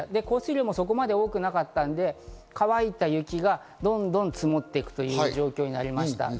降水量もそこまで多くなかったので、乾いた雪がどんどん積もっていく状況になりました。